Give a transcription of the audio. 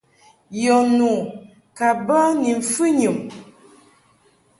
Yɔ nu ka bə ni mfɨnyum.